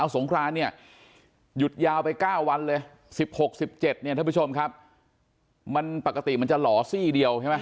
สงครานนี้หยุดยาวไป๙วันเลย๑๖๑๗มันปกติจะหล่อซี่เดียว